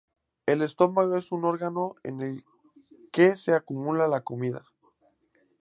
El estómago es un órgano en el que se acumula comida.